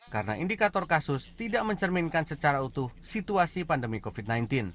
karena indikator kasus tidak mencerminkan secara utuh situasi pandemi covid sembilan belas